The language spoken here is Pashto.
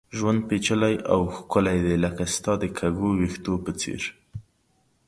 ژوند پېچلی او ښکلی دی ، لکه ستا د کږو ويښتو په څېر